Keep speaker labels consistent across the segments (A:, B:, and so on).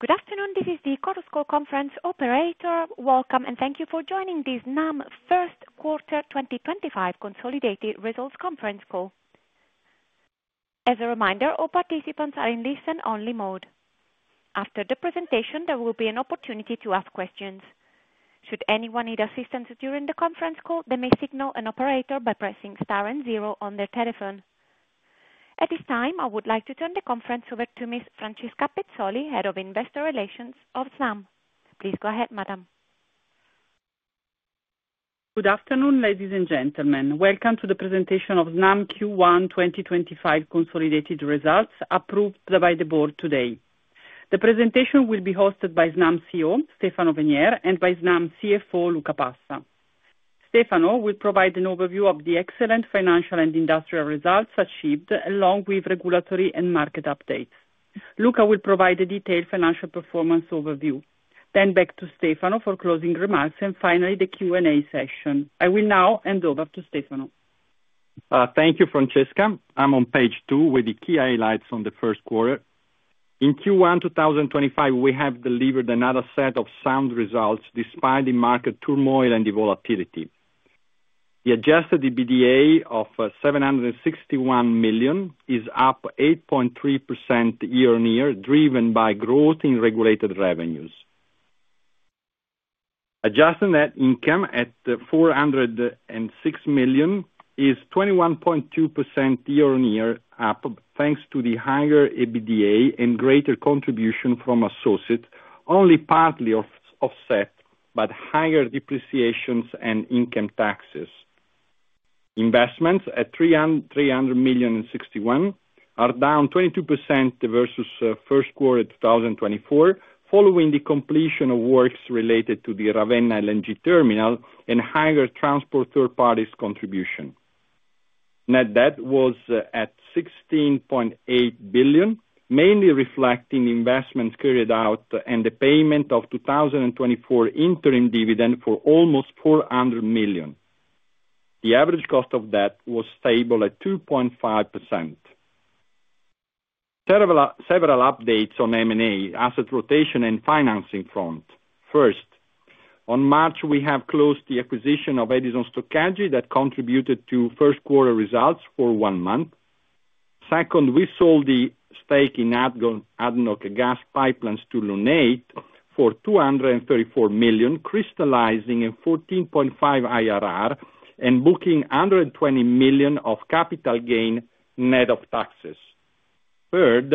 A: Good afternoon, this is the Chorus Call conference operator. Welcome, and thank you for joining this Snam First Quarter 2025 Consolidated Results Conference Call. As a reminder, all participants are in listen-only mode. After the presentation, there will be an opportunity to ask questions. Should anyone need assistance during the conference call, they may signal an operator by pressing star and zero on their telephone. At this time, I would like to turn the conference over to Ms. Francesca Pezzoli, Head of Investor Relations of Snam. Please go ahead, Madam.
B: Good afternoon, ladies and gentlemen. Welcome to the presentation of Snam Q1 2025 consolidated results, approved by the Board today. The presentation will be hosted by Snam CEO, Stefano Venier, and by Snam CFO, Luca Passa. Stefano will provide an overview of the excellent financial and industrial results achieved, along with regulatory and market updates. Luca will provide a detailed financial performance overview. Then, back to Stefano for closing remarks, and finally, the Q&A session. I will now hand over to Stefano.
C: Thank you, Francesca. I'm on page two with the key highlights on the first quarter. In Q1 2025, we have delivered another set of sound results despite the market turmoil and the volatility. The adjusted EBITDA of 761 million is up 8.3% year-on-year, driven by growth in regulated revenues. Adjusted net income at 406 million is 21.2% year-on-year up, thanks to the higher EBITDA and greater contribution from associates, only partly offset by higher depreciations and income taxes. Investments at 300,061 are down 22% versus first quarter 2024, following the completion of works related to the Ravenna LNG terminal and higher transport third-party contribution. Net debt was at 16.8 billion, mainly reflecting investments carried out and the payment of 2024 interim dividend for almost 400 million. The average cost of debt was stable at 2.5%. Several updates on M&A, asset rotation, and financing front. First, in March, we have closed the acquisition of Edison Stoccaggio that contributed to first quarter results for one month. Second, we sold the stake in ADNOC Gas Pipelines to Lunate for 234 million, crystallizing a 14.5 IRR and booking 120 million of capital gain net of taxes. Third,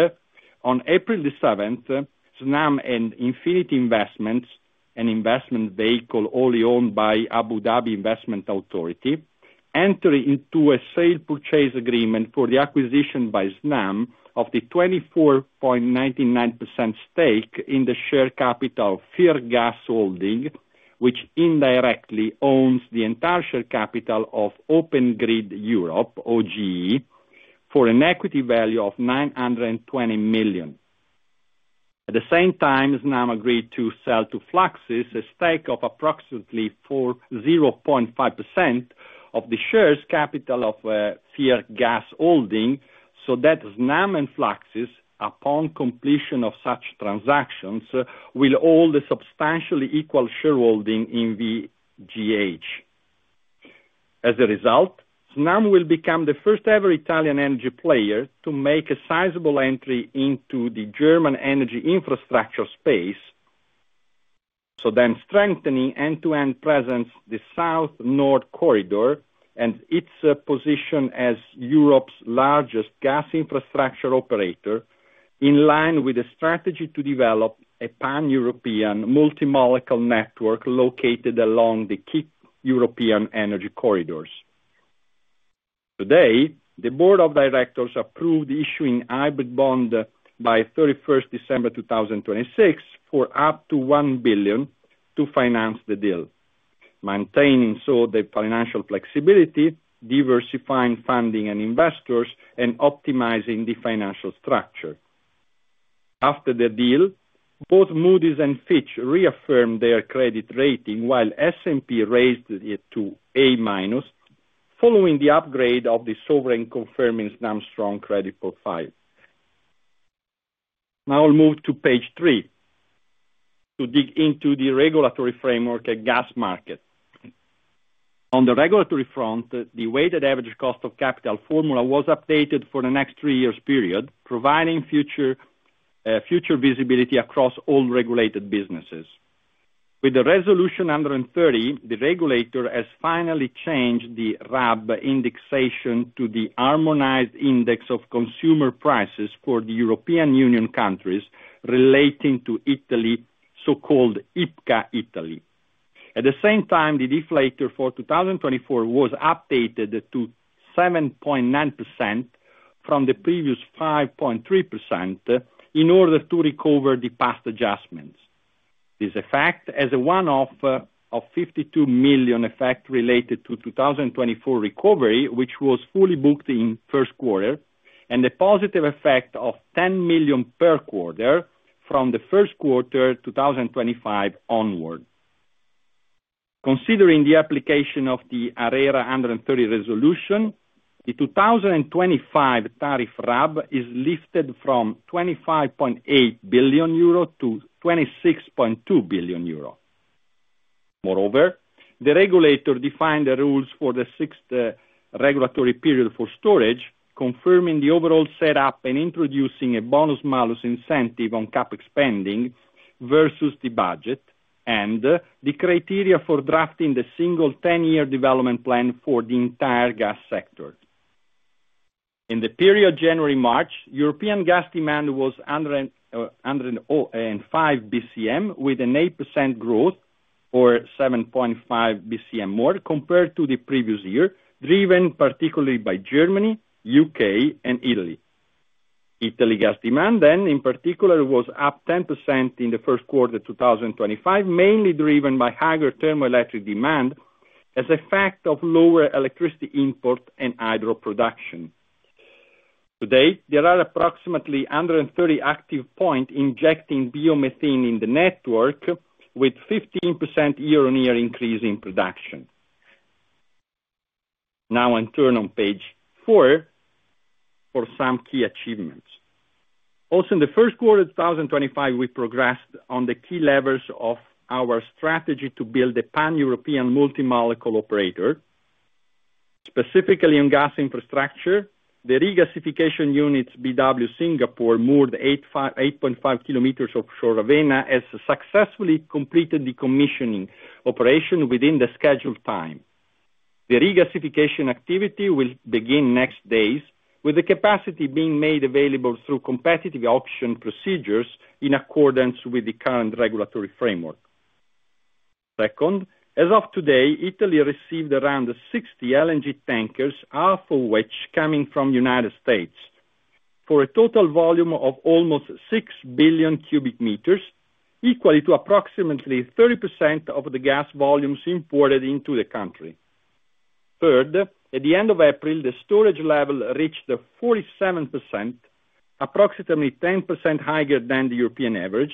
C: on April 7th, Snam and Infinity Investments, an investment vehicle only owned by Abu Dhabi Investment Authority, entered into a sale-purchase agreement for the acquisition by Snam of the 24.99% stake in the share capital of Vier Gas Holding, which indirectly owns the entire share capital of Open Grid Europe (OGE) for an equity value of 920 million. At the same time, Snam agreed to sell to Fluxys a stake of approximately 0.5% of the share capital of Vier Gas Holding, so that Snam and Fluxys, upon completion of such transactions, will hold a substantially equal shareholding in VGH. As a result, Snam will become the first-ever Italian energy player to make a sizable entry into the German energy infrastructure space, so then strengthening end-to-end presence in the South-North corridor and its position as Europe's largest gas infrastructure operator, in line with a strategy to develop a pan-European multi-molecule network located along the key European energy corridors. Today, the Board of Directors approved issuing hybrid bonds by 31st December 2026 for up to 1 billion to finance the deal, maintaining so the financial flexibility, diversifying funding and investors, and optimizing the financial structure. After the deal, both Moody's and Fitch reaffirmed their credit rating, while S&P raised it to A- following the upgrade of the sovereign confirming Snam's strong credit profile. Now, I'll move to page three to dig into the regulatory framework at gas market. On the regulatory front, the weighted average cost of capital formula was updated for the next three years' period, providing future visibility across all regulated businesses. With the resolution 130, the regulator has finally changed the RAB indexation to the harmonised index of consumer prices (HICP) for the European Union countries relating to Italy, so-called IPCA Italy. At the same time, the deflator for 2024 was updated to 7.9% from the previous 5.3% in order to recover the past adjustments. This effect, as a one-off of 52 million effect related to 2024 recovery, which was fully booked in first quarter, and the positive effect of 10 million per quarter from the first quarter 2025 onward. Considering the application of the ARERA 130 resolution, the 2025 tariff RAB is lifted from 25.8 billion euro to 26.2 billion euro. Moreover, the regulator defined the rules for the sixth regulatory period for storage, confirming the overall setup and introducing a bonus-malus incentive on CapEx spending versus the budget, and the criteria for drafting the single 10-year development plan for the entire gas sector. In the period January-March, European gas demand was 105 bcm, with an 8% growth or 7.5 bcm more compared to the previous year, driven particularly by Germany, the U.K., and Italy. Italy gas demand, then, in particular, was up 10% in the first quarter 2025, mainly driven by higher thermoelectric demand as a fact of lower electricity import and hydro production. Today, there are approximately 130 active points injecting biomethane in the network, with a 15% year-on-year increase in production. Now, I'll turn on page four for some key achievements. Also, in the first quarter of 2025, we progressed on the key levers of our strategy to build a pan-European multi-molecule operator. Specifically on gas infrastructure, the regasification unit BW Singapore moved 8.5 km offshore Ravenna and successfully completed the commissioning operation within the scheduled time. The regasification activity will begin in the next days, with the capacity being made available through competitive auction procedures in accordance with the current regulatory framework. Second, as of today, Italy received around 60 LNG tankers, half of which are coming from the United States, for a total volume of almost 6 bcm, equal to approximately 30% of the gas volumes imported into the country. Third, at the end of April, the storage level reached 47%, approximately 10% higher than the European average.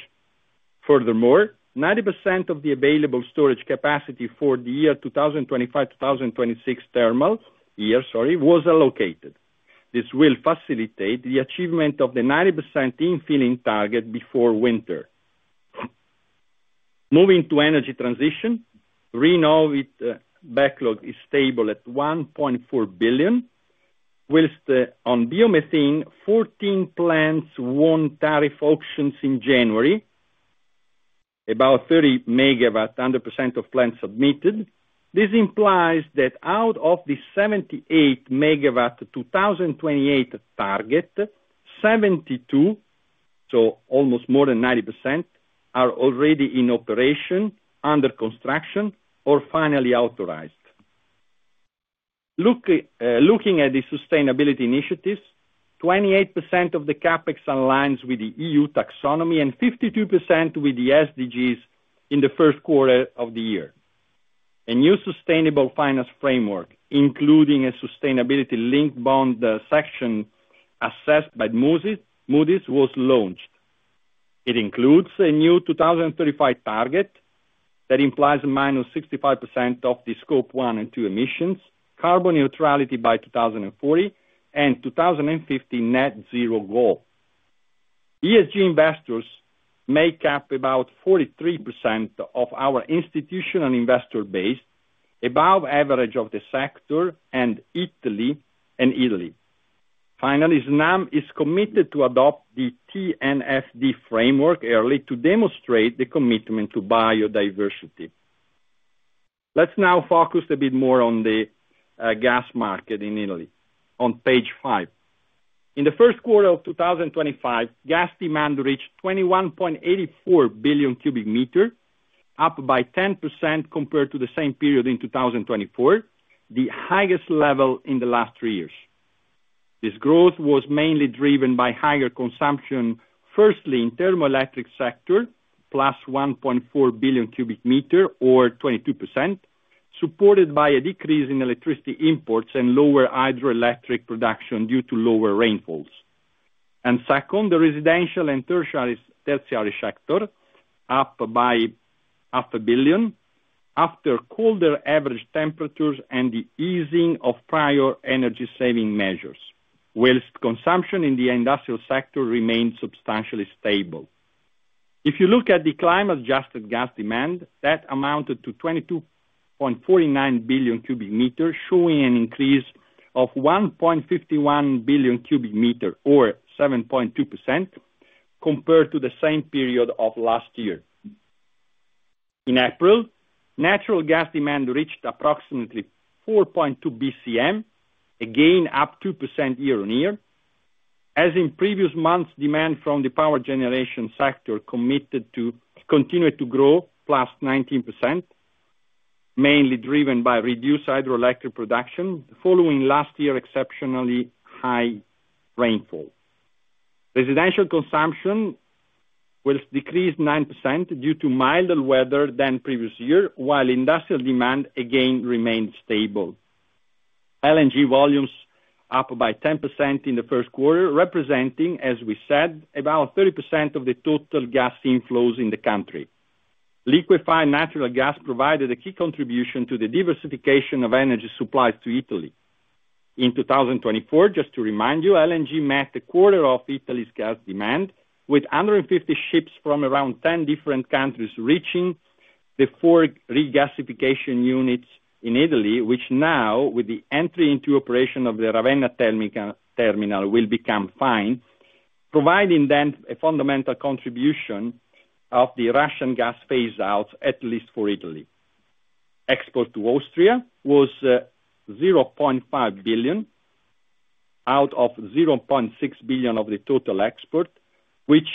C: Furthermore, 90% of the available storage capacity for the year 2025-2026 thermal year was allocated. This will facilitate the achievement of the 90% infilling target before winter. Moving to energy transition, Renovit backlog is stable at 1.4 billion. On biomethane, 14 plants won tariff auctions in January, about 30 MW under percent of plants submitted. This implies that out of the 78 MW 2028 target, 72 MW, so almost more than 90%, are already in operation, under construction, or finally authorized. Looking at the sustainability initiatives, 28% of the CapEx aligns with the EU Taxonomy and 52% with the SDGs in the first quarter of the year. A new Sustainable Finance Framework, including a sustainability-linked bond section assessed by Moody's, was launched. It includes a new 2035 target that implies a -65% of the Scope 1 and 2 emissions, carbon neutrality by 2040, and 2050 Net Zero goal. ESG investors make up about 43% of our institutional investor base, above average of the sector and Italy. Finally, Snam is committed to adopt the TNFD framework early to demonstrate the commitment to biodiversity. Let's now focus a bit more on the gas market in Italy. On page five, in the first quarter of 2025, gas demand reached 21.84 bcm, up by 10% compared to the same period in 2024, the highest level in the last three years. This growth was mainly driven by higher consumption, firstly in the thermoelectric sector, plus 1.4 bcm, or 22%, supported by a decrease in electricity imports and lower hydroelectric production due to lower rainfalls, and second, the residential and tertiary sector, up by 500 million after colder average temperatures and the easing of prior energy-saving measures, whilst consumption in the industrial sector remained substantially stable. If you look at the climate-adjusted gas demand, that amounted to 22.49 bcm, showing an increase of 1.51 bcm, or 7.2%, compared to the same period of last year. In April, natural gas demand reached approximately 4.2 bcm, again up 2% year-on-year. As in previous months, demand from the power generation sector committed to continue to grow, plus 19%, mainly driven by reduced hydroelectric production following last year's exceptionally high rainfall. Residential consumption was decreased 9% due to milder weather than previous year, while industrial demand again remained stable. LNG volumes up by 10% in the first quarter, representing, as we said, about 30% of the total gas inflows in the country. Liquefied natural gas provided a key contribution to the diversification of energy supplies to Italy. In 2024, just to remind you, LNG met a quarter of Italy's gas demand, with 150 ships from around 10 different countries reaching the four regasification units in Italy, which now, with the entry into operation of the Ravenna terminal, will become five, providing then a fundamental contribution of the Russian gas phase-out, at least for Italy. Export to Austria was 0.5 billion out of 0.6 billion of the total export, which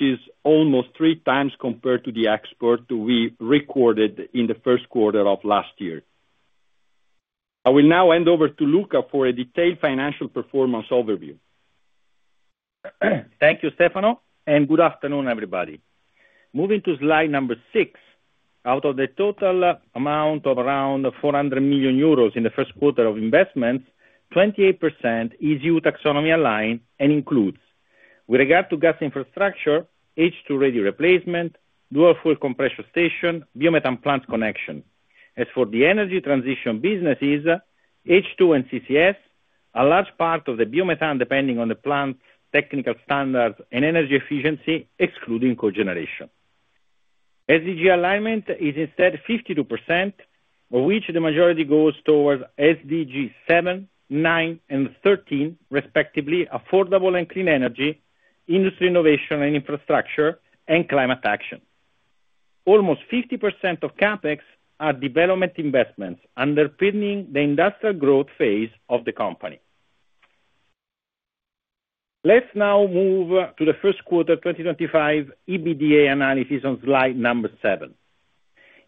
C: is almost 3x compared to the export we recorded in the first quarter of last year. I will now hand over to Luca for a detailed financial performance overview.
D: Thank you, Stefano, and good afternoon, everybody. Moving to slide number six, out of the total amount of around 400 million euros in the first quarter of investments, 28% is EU Taxonomy aligned and includes, with regard to gas infrastructure, H2-ready replacement, dual-fuel compression station, biomethane plant connection. As for the energy transition businesses, H2 and CCS, a large part of the biomethane depending on the plant's technical standards and energy efficiency, excluding cogeneration. SDG alignment is instead 52%, of which the majority goes towards SDG 7, 9, and 13, respectively, affordable and clean energy, industry innovation and infrastructure, and climate action. Almost 50% of CapEx are development investments underpinning the industrial growth phase of the company. Let's now move to the first quarter 2025 EBITDA analysis on slide number seven.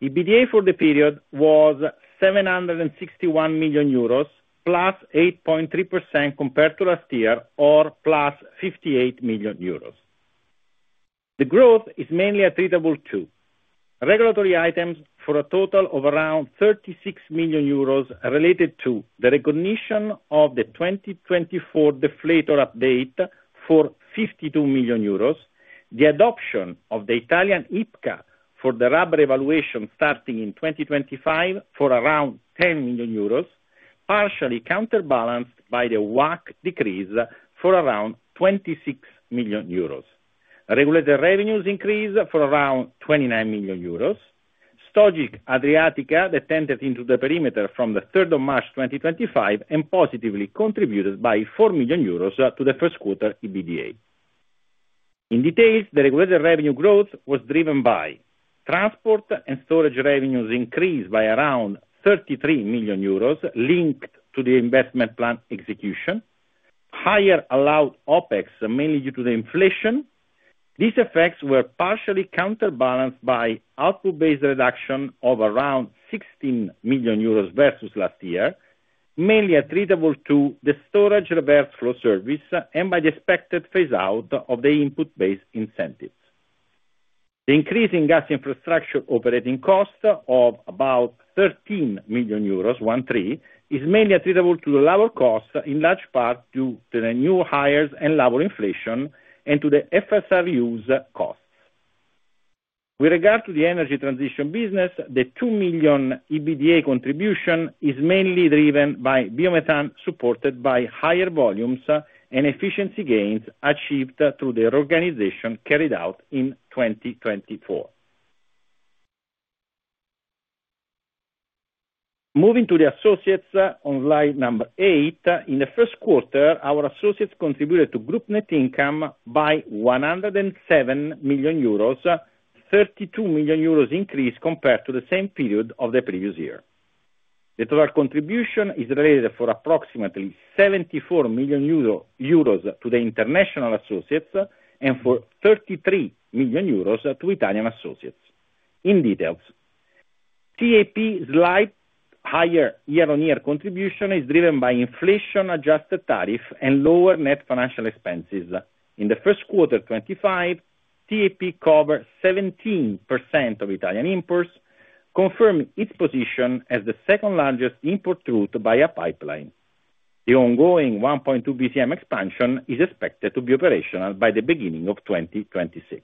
D: EBITDA for the period was 761 million euros, +8.3% compared to last year, or plus 58 million euros. The growth is mainly attributable to regulatory items for a total of around 36 million euros related to the recognition of the 2024 deflator update for 52 million euros, the adoption of the Italian IPCA for the RAB revaluation starting in 2025 for around 10 million euros, partially counterbalanced by the WACC decrease for around 26 million euros. Regulatory revenues increased for around 29 million euros. Stogit Adriatica that entered into the perimeter from the 3rd of March 2025 and positively contributed by four million euros to the first quarter EBITDA. In detail, the regulatory revenue growth was driven by transport and storage revenues increased by around 33 million euros linked to the investment plan execution, higher allowed OpEx mainly due to the inflation. These effects were partially counterbalanced by output-based reduction of around 16 million euros versus last year, mainly attributable to the storage reverse flow service and by the expected phase-out of the input-based incentives. The increase in gas infrastructure operating cost of about 13 million euros is mainly attributable to the labor cost, in large part due to the new hires and labor inflation, and to the FSRUs costs. With regard to the energy transition business, the 2 million EBITDA contribution is mainly driven by biomethane supported by higher volumes and efficiency gains achieved through the reorganization carried out in 2024. Moving to the associates on slide number eight, in the first quarter, our associates contributed to group net income by 107 million euros, 32 million euros increase compared to the same period of the previous year. The total contribution is related for approximately 74 million euro to the international associates and for 33 million euros to Italian associates. In detail, TAP's slight higher year-on-year contribution is driven by inflation-adjusted tariff and lower net financial expenses. In the first quarter 2025, TAP covered 17% of Italian imports, confirming its position as the second largest import route via pipeline. The ongoing 1.2 bcm expansion is expected to be operational by the beginning of 2026.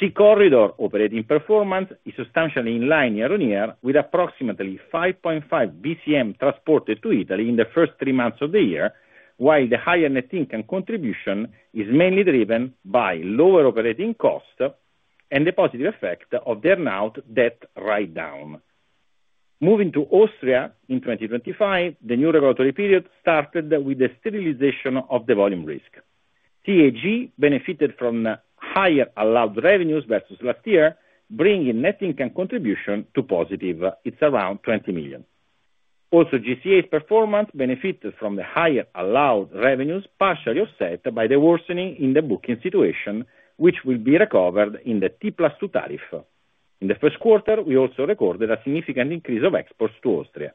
D: SeaCorridor operating performance is substantially in line year-on-year with approximately 5.5 bcm transported to Italy in the first three months of the year, while the higher net income contribution is mainly driven by lower operating cost and the positive effect of the earn-out debt write-down. Moving to Austria in 2025, the new regulatory period started with the stabilization of the volume risk. TAG benefited from higher allowed revenues versus last year, bringing net income contribution to positive it's around 20 million. Also, GCA's performance benefited from the higher allowed revenues, partially offset by the worsening in the booking situation, which will be recovered in the T+2 tariff. In the first quarter, we also recorded a significant increase of exports to Austria.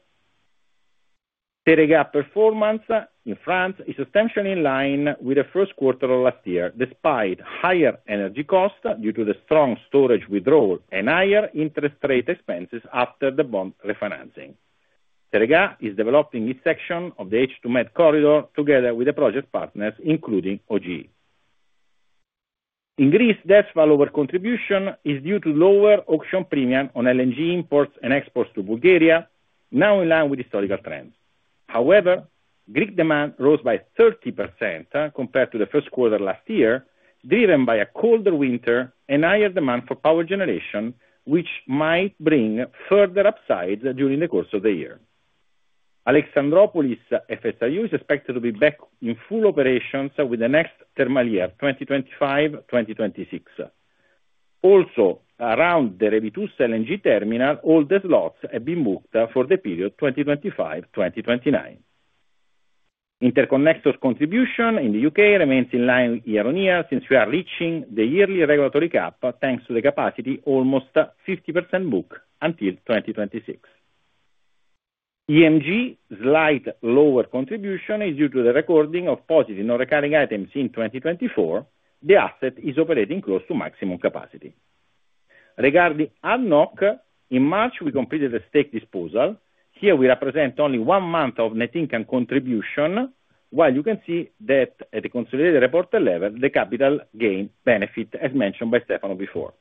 D: Teréga's performance in France is substantially in line with the first quarter of last year, despite higher energy costs due to the strong storage withdrawal and higher interest rate expenses after the bond refinancing. Teréga is developing its section of the H2med corridor together with the project partners, including OGE. In Greece, that lower contribution is due to lower auction premium on LNG imports and exports to Bulgaria, now in line with historical trends. However, Greek demand rose by 30% compared to the first quarter last year, driven by a colder winter and higher demand for power generation, which might bring further upsides during the course of the year. Alexandroupolis FSRU is expected to be back in full operations with the next thermal year, 2025-2026. Also, around the Revithoussa LNG terminal, all the slots have been booked for the period 2025-2029. Interconnectors contribution in the U.K. remains in line year-on-year since we are reaching the yearly regulatory cap, thanks to the capacity almost 50% booked until 2026. EMG, slight lower contribution, is due to the recording of positive non-recurring items in 2024. The asset is operating close to maximum capacity. Regarding ADNOC, in March, we completed the stake disposal. Here, we represent only one month of net income contribution, while you can see that at the consolidated report level, the capital gain benefit, as mentioned by Stefano before.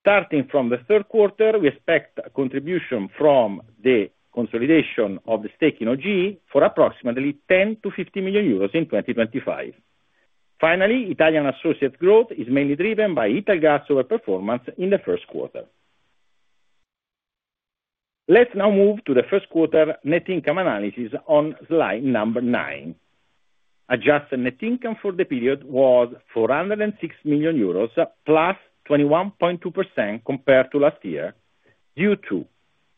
D: Starting from the third quarter, we expect contribution from the consolidation of the stake in OGE for approximately 10-15 million euros in 2025. Finally, Italian associate growth is mainly driven by Italgas overperformance in the first quarter. Let's now move to the first quarter net income analysis on slide number nine. Adjusted net income for the period was 406 million euros, +21.2% compared to last year, due to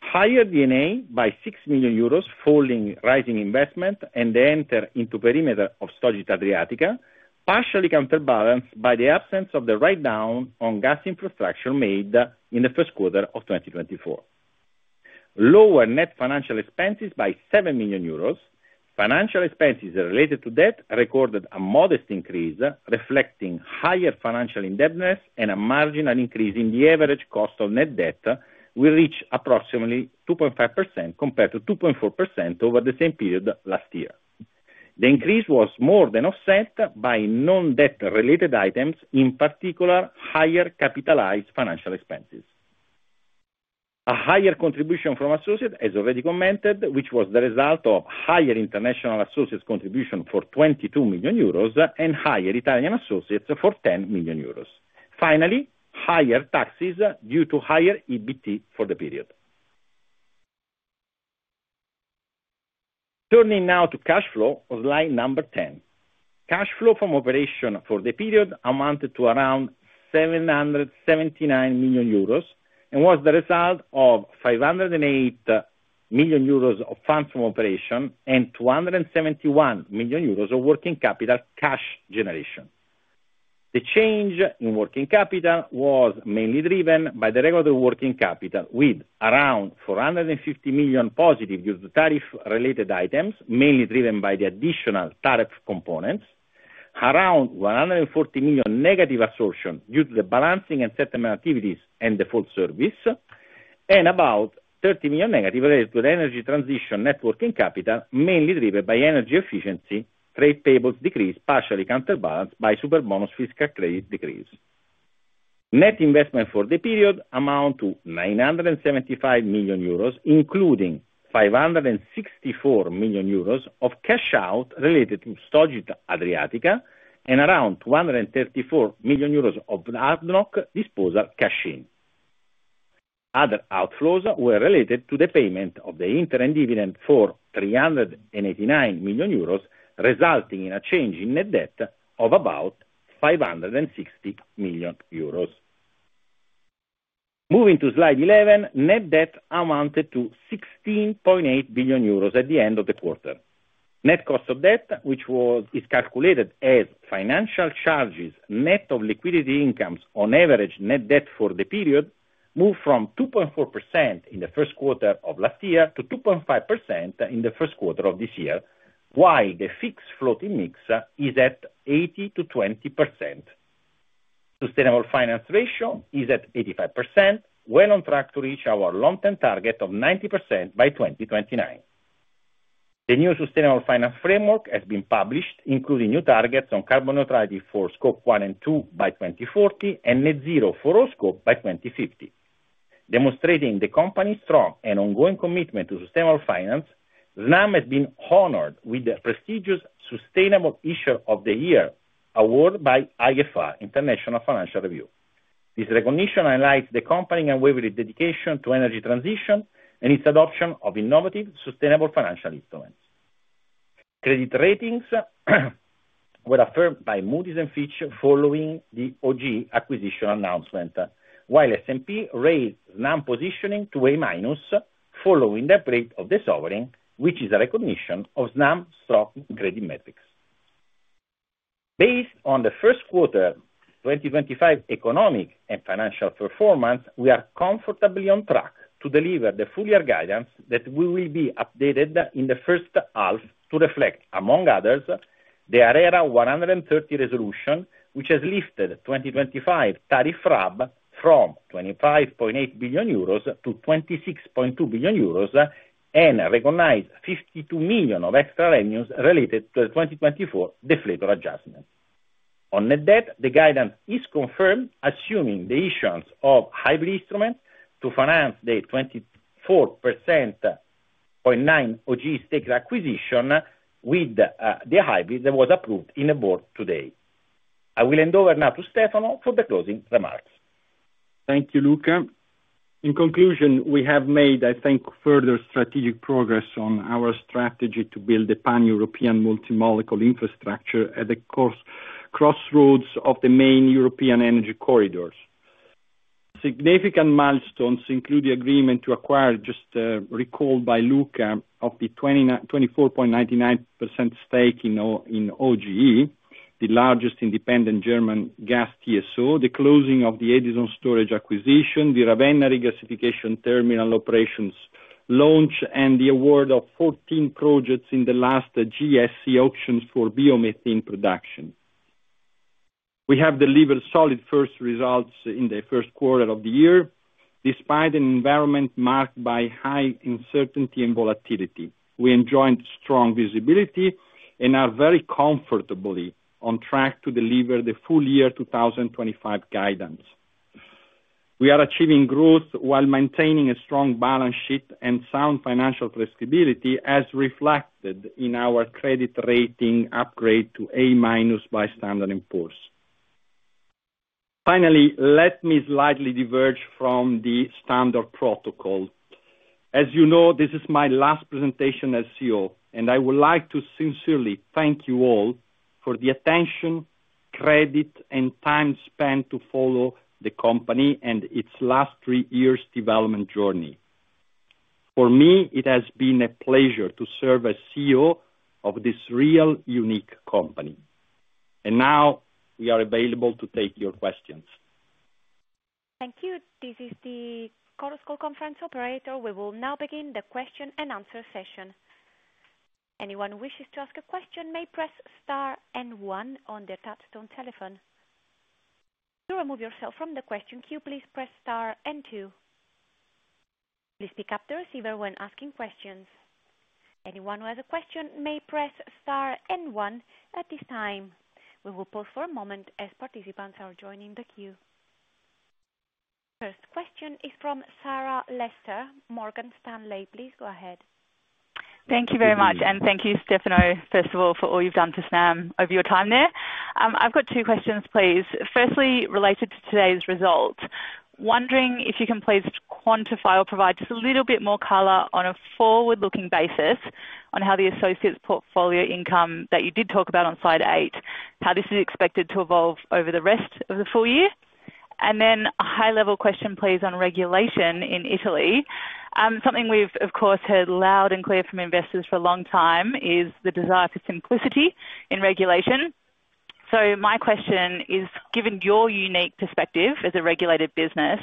D: higher D&A by 6 million euros following rising investment and the entry into perimeter of Stogit Adriatica, partially counterbalanced by the absence of the write-down on gas infrastructure made in the first quarter of 2024. Lower net financial expenses by 7 million euros. Financial expenses related to debt recorded a modest increase, reflecting higher financial indebtedness and a marginal increase in the average cost of net debt, which reached approximately 2.5% compared to 2.4% over the same period last year. The increase was more than offset by non-debt-related items, in particular higher capitalized financial expenses. A higher contribution from associates, as already commented, which was the result of higher international associates' contribution for 22 million euros and higher Italian associates' for 10 million euros. Finally, higher taxes due to higher EBT for the period. Turning now to cash flow, slide number 10. Cash flow from operation for the period amounted to around 779 million euros and was the result of 508 million euros of funds from operation and 271 million euros of working capital cash generation. The change in working capital was mainly driven by the regular working capital, with around 450 million positive due to tariff-related items, mainly driven by the additional tariff components, around 140 million negative variation due to the balancing and settlement activities and the full service, and about 30 million negative related to the energy transition net working capital, mainly driven by energy efficiency, trade payables decrease, partially counterbalanced by Superbonus fiscal credit decrease. Net investment for the period amounted to 975 million euros, including 564 million euros of cash-out related to Stogit Adriatica and around 234 million euros of ADNOC disposal cash-in. Other outflows were related to the payment of the interim dividend for 389 million euros, resulting in a change in net debt of about 560 million euros. Moving to slide 11, net debt amounted to 16.8 billion euros at the end of the quarter. Net cost of debt, which is calculated as financial charges net of liquidity incomes on average net debt for the period, moved from 2.4% in the first quarter of last year to 2.5% in the first quarter of this year, while the fixed floating mix is at 80%/20%. Sustainable finance ratio is at 85%, well on track to reach our long-term target of 90% by 2029. The new sustainable finance framework has been published, including new targets on carbon neutrality for Scope 1 and 2 by 2040 and net zero for all scope by 2050. Demonstrating the company's strong and ongoing commitment to sustainable finance, Snam has been honored with the prestigious Sustainable Issuer of the Year award by IFR, International Financing Review. This recognition highlights the company's unwavering dedication to energy transition and its adoption of innovative sustainable financial instruments. Credit ratings were affirmed by Moody's and Fitch following the OGE acquisition announcement, while S&P rated Snam's positioning to A- following the upgrade of the sovereign, which is a recognition of Snam's strong credit metrics. Based on the first quarter 2025 economic and financial performance, we are comfortably on track to deliver the full year guidance that we will be updated in the first half to reflect, among others, the ARERA 130 resolution, which has lifted 2025 tariff RAB from 25.8 billion euros to 26.2 billion euros and recognized 52 million of extra revenues related to the 2024 deflator adjustment. On net debt, the guidance is confirmed, assuming the issuance of hybrid instruments to finance the 24.9% OGE stake acquisition with the hybrids that was approved in the board today. I will hand over now to Stefano for the closing remarks.
C: Thank you, Luca. In conclusion, we have made, I think, further strategic progress on our strategy to build a pan-European multi-molecule infrastructure at the crossroads of the main European energy corridors. Significant milestones include the agreement to acquire, just recalled by Luca, of the 24.99% stake in OGE, the largest independent German gas TSO, the closing of the Edison Stoccaggio acquisition, the Ravenna regasification terminal operations launch, and the award of 14 projects in the last GSE auctions for biomethane production. We have delivered solid first results in the first quarter of the year, despite an environment marked by high uncertainty and volatility. We enjoyed strong visibility and are very comfortably on track to deliver the full year 2025 guidance. We are achieving growth while maintaining a strong balance sheet and sound financial traceability, as reflected in our credit rating upgrade to A- by Standard & Poor's. Finally, let me slightly diverge from the standard protocol. As you know, this is my last presentation as CEO, and I would like to sincerely thank you all for the attention, credit, and time spent to follow the company and its last three years' development journey. For me, it has been a pleasure to serve as CEO of this real, unique company. And now we are available to take your questions.
A: Thank you. This is the Chorus Call conference operator. We will now begin the question-and-answer session. Anyone wishes to ask a question may press star and one on the touch-tone telephone. To remove yourself from the question queue, please press star and two. Please pick up the receiver when asking questions. Anyone who has a question may press star and one at this time. We will pause for a moment as participants are joining the queue. First question is from Sarah Lester, Morgan Stanley, please go ahead.
E: Thank you very much, and thank you, Stefano, first of all, for all you've done for Snam over your time there. I've got two questions, please. Firstly, related to today's result, wondering if you can please quantify or provide just a little bit more color on a forward-looking basis on how the associates' portfolio income that you did talk about on slide eight, how this is expected to evolve over the rest of the full year. And then a high-level question, please, on regulation in Italy. Something we've, of course, heard loud and clear from investors for a long time is the desire for simplicity in regulation. So my question is, given your unique perspective as a regulated business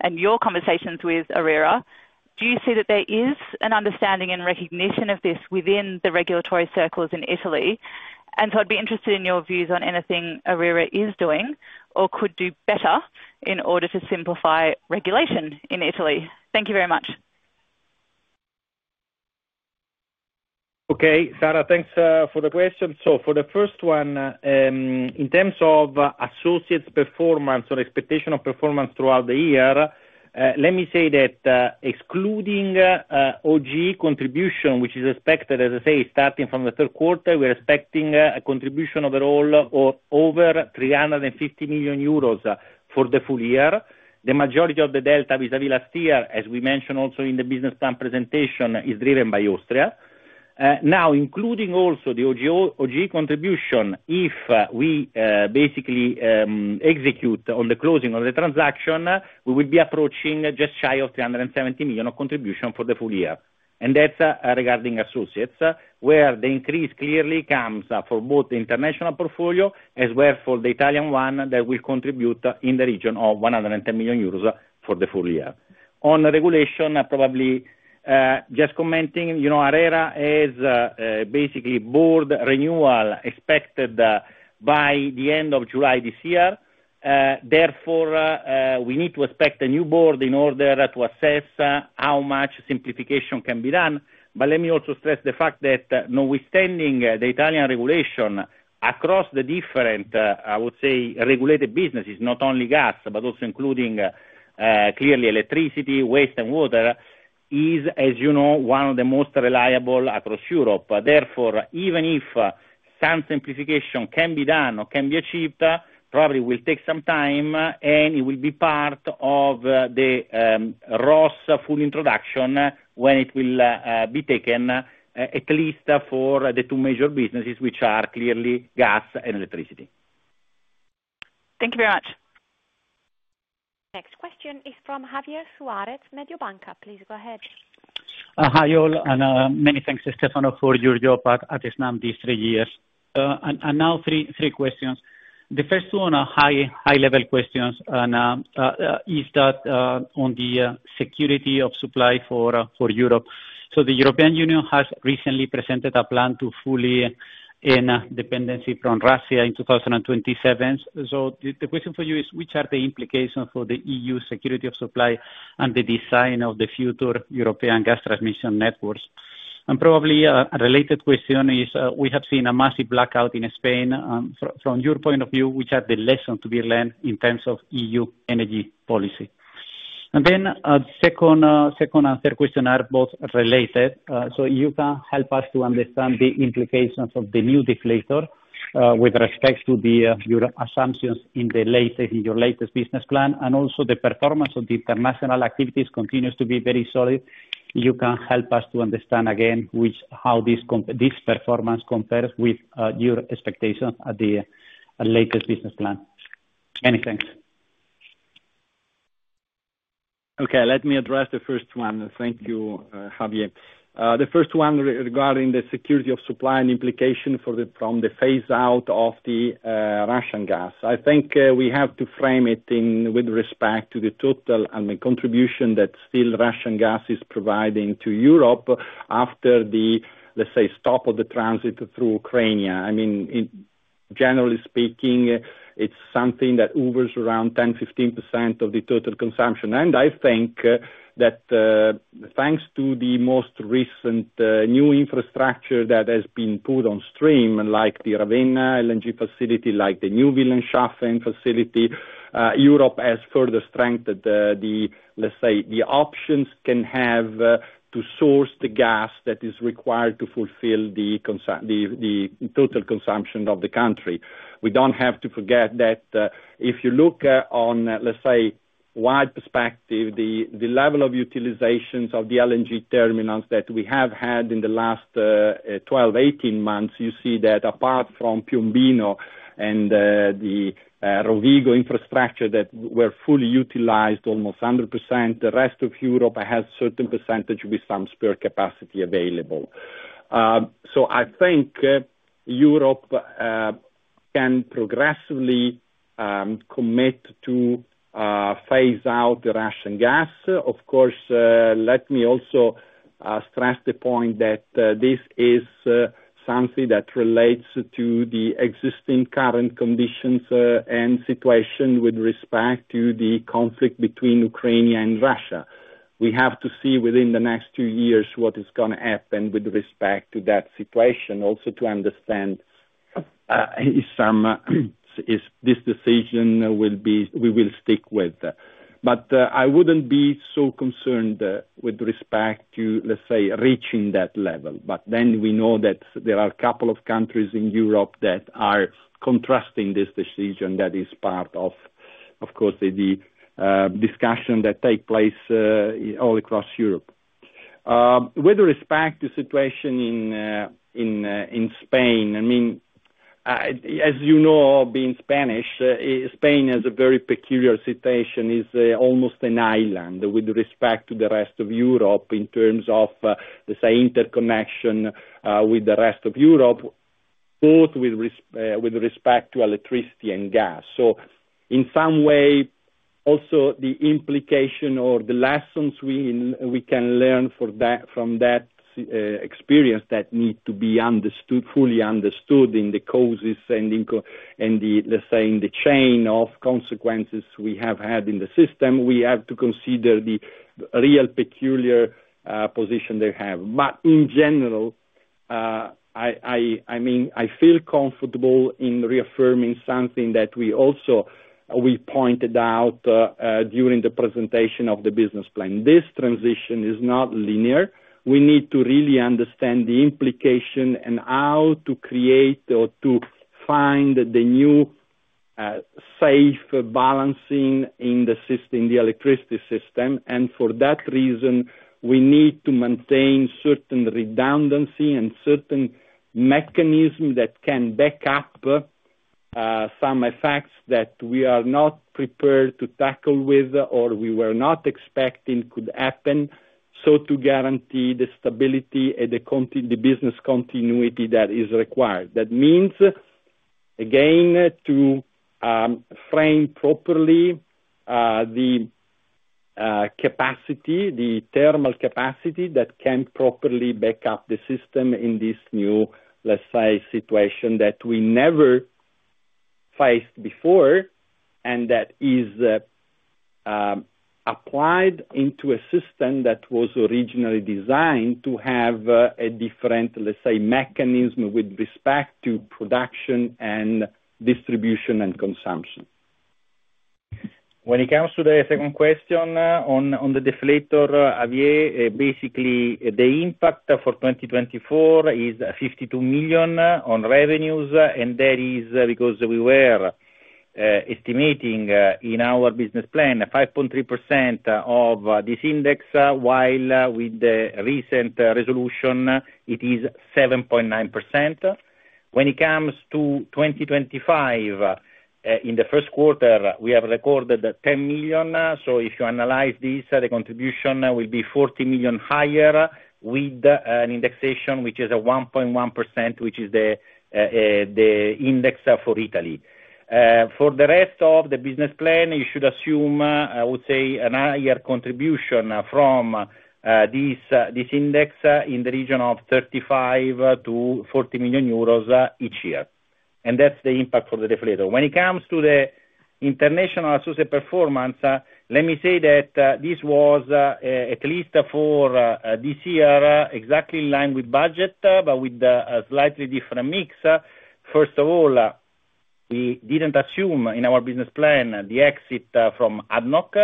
E: and your conversations with ARERA, do you see that there is an understanding and recognition of this within the regulatory circles in Italy? And so I'd be interested in your views on anything ARERA is doing or could do better in order to simplify regulation in Italy. Thank you very much.
C: Okay, Sarah, thanks for the question. So for the first one, in terms of associates' performance or expectation of performance throughout the year, let me say that excluding OGE contribution, which is expected, as I say, starting from the third quarter, we're expecting a contribution overall of over 350 million euros for the full year. The majority of the delta vis-à-vis last year, as we mentioned also in the business plan presentation, is driven by Austria. Now, including also the OGE contribution, if we basically execute on the closing of the transaction, we will be approaching just shy of 370 million of contribution for the full year. That's regarding associates, where the increase clearly comes for both the international portfolio as well for the Italian one that will contribute in the region of 110 million euros for the full year. On regulation, probably just commenting, ARERA has basically board renewal expected by the end of July this year. Therefore, we need to expect a new board in order to assess how much simplification can be done. But let me also stress the fact that, notwithstanding the Italian regulation across the different, I would say, regulated businesses, not only gas, but also including clearly electricity, waste, and water, is, as you know, one of the most reliable across Europe. Therefore, even if some simplification can be done or can be achieved, probably will take some time, and it will be part of the ROSS full introduction when it will be taken, at least for the two major businesses, which are clearly gas and electricity.
E: Thank you very much.
A: Next question is from Javier Suárez, Mediobanca. Please go ahead.
F: Hi all, and many thanks, Stefano, for your job at Snam these three years. And now three questions. The first one, high-level questions, is that on the security of supply for Europe. So the European Union has recently presented a plan to fully end dependency from Russia in 2027. So the question for you is, which are the implications for the EU security of supply and the design of the future European gas transmission networks? And probably a related question is, we have seen a massive blackout in Spain. From your point of view, which are the lessons to be learned in terms of EU energy policy? And then the second and third question are both related. So you can help us to understand the implications of the new deflator with respect to your assumptions in your latest business plan, and also the performance of the international activities continues to be very solid. You can help us to understand again how this performance compares with your expectations at the latest business plan. Many thanks.
C: Okay, let me address the first one. Thank you, Javier. The first one regarding the security of supply and implication from the phase-out of the Russian gas. I think we have to frame it with respect to the total contribution that still Russian gas is providing to Europe after the, let's say, stop of the transit through Ukraine. I mean, generally speaking, it's something that hovers around 10%-15% of the total consumption. And I think that thanks to the most recent new infrastructure that has been put on stream, like the Ravenna LNG facility, like the new Wilhelmshaven facility, Europe has further strengthened the, let's say, the options can have to source the gas that is required to fulfill the total consumption of the country. We don't have to forget that if you look on, let's say, wide perspective, the level of utilizations of the LNG terminals that we have had in the last 12-18 months, you see that apart from Piombino and the Rovigo infrastructure that were fully utilized, almost 100%, the rest of Europe has a certain percentage with some spare capacity available. So I think Europe can progressively commit to phase out the Russian gas. Of course, let me also stress the point that this is something that relates to the existing current conditions and situation with respect to the conflict between Ukraine and Russia. We have to see within the next two years what is going to happen with respect to that situation, also to understand if this decision we will stick with. But I wouldn't be so concerned with respect to, let's say, reaching that level. But then we know that there are a couple of countries in Europe that are contrasting this decision that is part of, of course, the discussion that takes place all across Europe. With respect to the situation in Spain, I mean, as you know, being Spanish, Spain has a very peculiar situation. It's almost an island with respect to the rest of Europe in terms of, let's say, interconnection with the rest of Europe, both with respect to electricity and gas. So in some way, also the implication or the lessons we can learn from that experience that need to be fully understood in the causes and, let's say, in the chain of consequences we have had in the system, we have to consider the real peculiar position they have. But in general, I mean, I feel comfortable in reaffirming something that we also pointed out during the presentation of the business plan. This transition is not linear. We need to really understand the implication and how to create or to find the new safe balancing in the electricity system. And for that reason, we need to maintain certain redundancy and certain mechanisms that can back up some effects that we are not prepared to tackle with or we were not expecting could happen so to guarantee the stability and the business continuity that is required. That means, again, to frame properly the thermal capacity that can properly back up the system in this new, let's say, situation that we never faced before and that is applied into a system that was originally designed to have a different, let's say, mechanism with respect to production and distribution and consumption.
D: When it comes to the second question on the deflator, Javier, basically the impact for 2024 is 52 million on revenues, and that is because we were estimating in our business plan 5.3% of this index, while with the recent resolution, it is 7.9%. When it comes to 2025, in the first quarter, we have recorded 10 million. So if you analyze this, the contribution will be 40 million higher with an indexation which is 1.1%, which is the index for Italy. For the rest of the business plan, you should assume, I would say, an annual contribution from this index in the region of 35 million-40 million euros each year, and that's the impact for the deflator. When it comes to the international associate performance, let me say that this was, at least for this year, exactly in line with budget, but with a slightly different mix. First of all, we didn't assume in our business plan the exit from ADNOC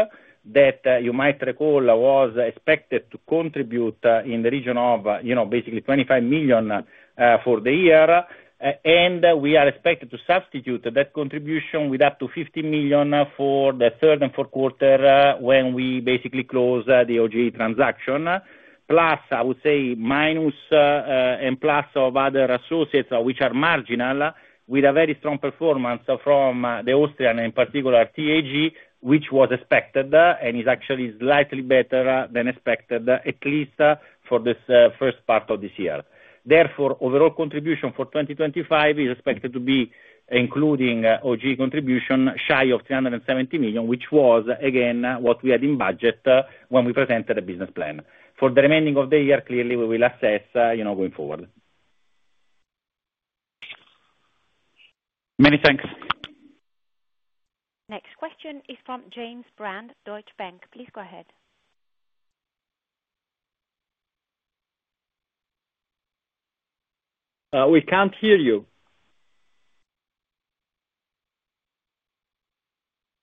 D: that you might recall was expected to contribute in the region of basically 25 million for the year. We are expected to substitute that contribution with up to 50 million for the third and fourth quarter when we basically close the OGE transaction. Plus, I would say, minus and plus of other associates which are marginal with a very strong performance from the Austrian, in particular, TAG, which was expected and is actually slightly better than expected, at least for this first part of this year. Therefore, overall contribution for 2025 is expected to be including OGE contribution shy of 370 million, which was, again, what we had in budget when we presented the business plan. For the remaining of the year, clearly, we will assess going forward. Many thanks.
A: Next question is from James Brand, Deutsche Bank. Please go ahead.
C: We can't hear you.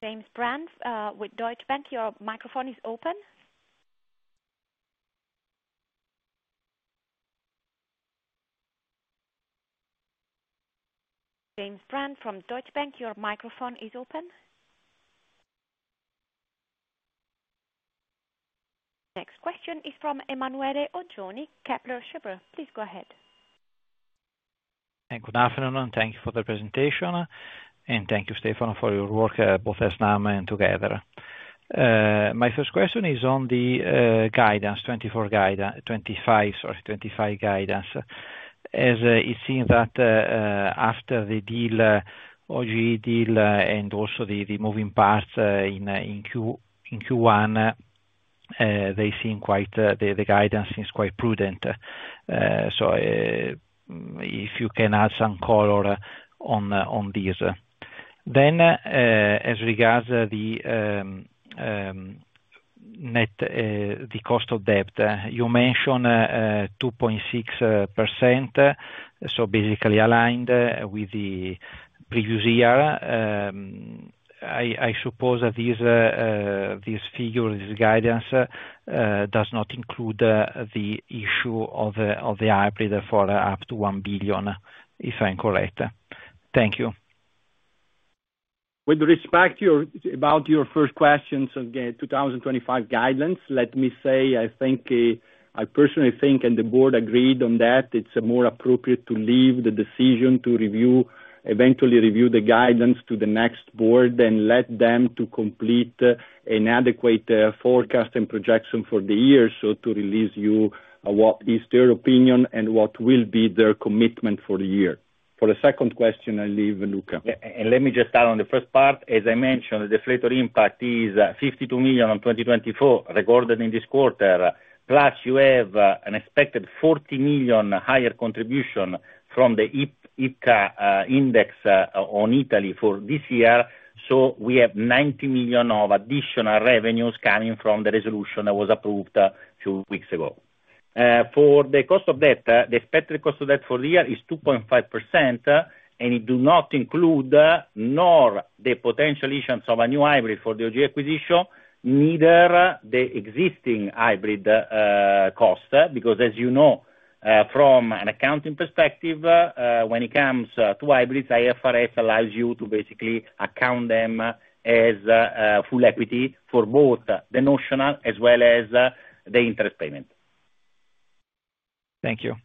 A: James Brand with Deutsche Bank. Your microphone is open. James Brand from Deutsche Bank. Your microphone is open. Next question is from Emanuele Oggioni, Kepler Cheuvreux. Please go ahead.
G: Good afternoon, and thank you for the presentation. And thank you, Stefano, for your work, both Snam and together. My first question is on the guidance, 2024 guidance, 2025, sorry, 2025 guidance. As it seems that after the deal, OGE deal, and also the moving parts in Q1, they seem quite the guidance is quite prudent. So if you can add some color on these. Then, as regards the net cost of debt, you mentioned 2.6%, so basically aligned with the previous year. I suppose that this figure, this guidance, does not include the issue of the hybrid for up to 1 billion, if I'm correct. Thank you.
C: With respect to your first question, so 2025 guidance, let me say, I think, I personally think, and the Board agreed on that, it's more appropriate to leave the decision to eventually review the guidance to the next Board and let them to complete an adequate forecast and projection for the year so to release you what is their opinion and what will be their commitment for the year. For the second question, I leave Luca.
D: Let me just add on the first part. As I mentioned, the deflator impact is 52 million on 2024 recorded in this quarter. Plus, you have an expected 40 million higher contribution from the IPCA index on Italy for this year. So we have 90 million of additional revenues coming from the resolution that was approved a few weeks ago. For the cost of debt, the expected cost of debt for the year is 2.5%, and it does not include nor the potential issues of a new hybrid for the OGE acquisition, neither the existing hybrid cost. Because, as you know, from an accounting perspective, when it comes to hybrids, IFRS allows you to basically account them as full equity for both the notional as well as the interest payment.
G: Thank you.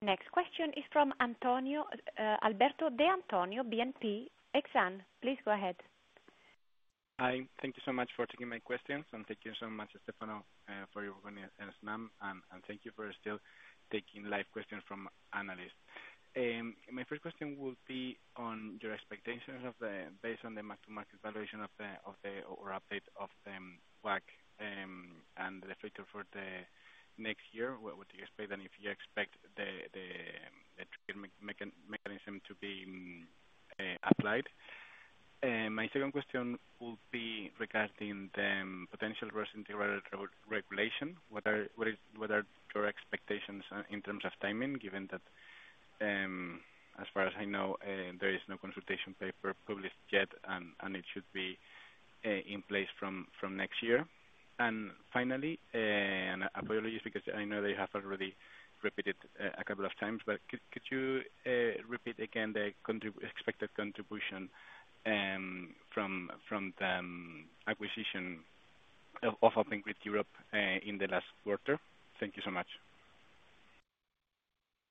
A: Next question is from Alberto D'Antonio, BNP Paribas Exane. Please go ahead.
H: Hi. Thank you so much for taking my questions, and thank you so much, Stefano, for your work on Snam. And thank you for still taking live questions from analysts. My first question would be on your expectations based on the macro market valuation or update of WACC and the deflator for the next year. What do you expect and if you expect the trade mechanism to be applied? My second question would be regarding the potential reverse integrated regulation. What are your expectations in terms of timing, given that, as far as I know, there is no consultation paper published yet, and it should be in place from next year? And finally, apologies because I know they have already repeated a couple of times, but could you repeat again the expected contribution from the acquisition of Open Grid Europe in the last quarter? Thank you so much.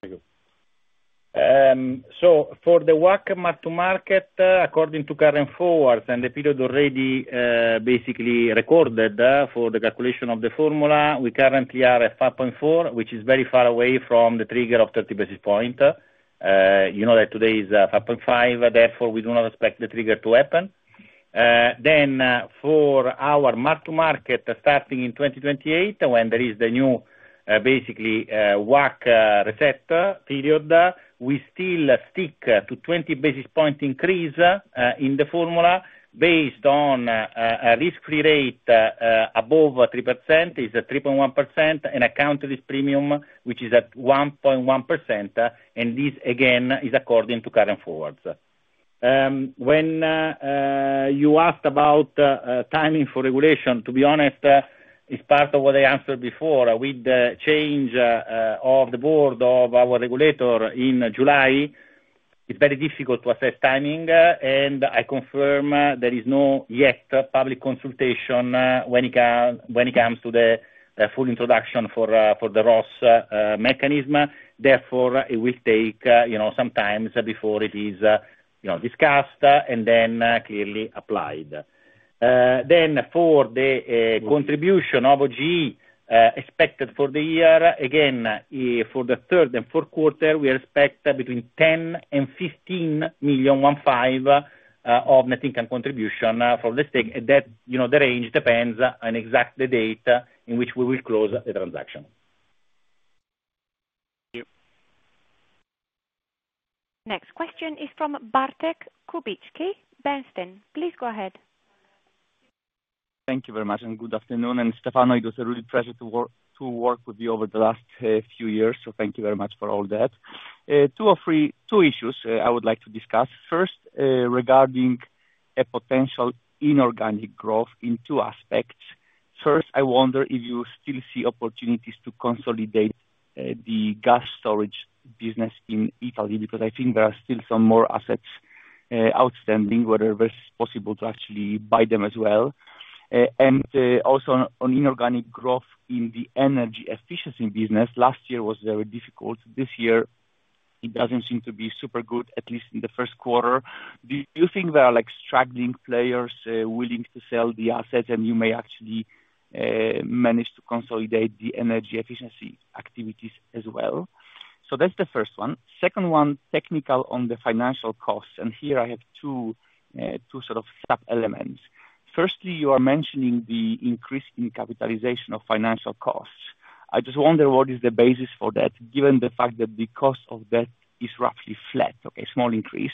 H: Thank you.
D: So for the WACC mark-to-market, according to current forwards and the period already basically recorded for the calculation of the formula, we currently are at 5.4, which is very far away from the trigger of 30 basis points. You know that today is 5.5; therefore, we do not expect the trigger to happen. Then, for our mark-to-market starting in 2028, when there is the new basically WACC reset period, we still stick to 20 basis points increase in the formula based on a risk-free rate above 3%, is 3.1%, and a country risk premium, which is at 1.1%. And this, again, is according to current forwards. When you asked about timing for regulation, to be honest, it's part of what I answered before. With the change of the board of our regulator in July, it's very difficult to assess timing, and I confirm there is no public consultation yet when it comes to the full introduction of the ROSS mechanism. Therefore, it will take some time before it is discussed and then clearly applied. Then, for the contribution of OGE expected for the year, again, for the third and fourth quarter, we expect between 10 million and 15 million of net income contribution for the stake. The range depends on exactly the date in which we will close the transaction.
H: Thank you.
A: Next question is from Bartek Kubicki, Bernstein. Please go ahead.
I: Thank you very much, and good afternoon, and Stefano, it was a real pleasure to work with you over the last few years, so thank you very much for all that. Two issues I would like to discuss. First, regarding a potential inorganic growth in two aspects. First, I wonder if you still see opportunities to consolidate the gas storage business in Italy because I think there are still some more assets outstanding where it's possible to actually buy them as well. Also, on inorganic growth in the energy efficiency business, last year was very difficult. This year, it doesn't seem to be super good, at least in the first quarter. Do you think there are struggling players willing to sell the assets, and you may actually manage to consolidate the energy efficiency activities as well? That's the first one. Second one, technical on the financial costs. Here, I have two sort of sub-elements. Firstly, you are mentioning the increase in capitalization of financial costs. I just wonder what is the basis for that, given the fact that the cost of debt is roughly flat, okay, small increase,